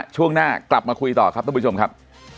ช่วงหน้ากลับมาคุยต่อครับท่านผู้ชมครับ